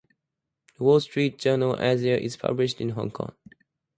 "The Wall Street Journal Asia" is published in Hong Kong.